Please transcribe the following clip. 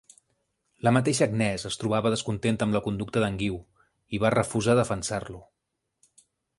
La mateixa Agnès es trobava descontenta amb la conducta de Guiu i va refusar defensar-lo.